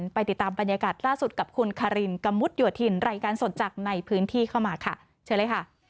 ไปติดตามบรรยากาศล่าสุดกับคุณคารินกะมุดโยธินรายการสดจากในพื้นที่เข้ามาค่ะเชิญเลยค่ะ